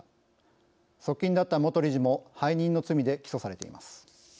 側近だった元理事も背任の罪で起訴されています。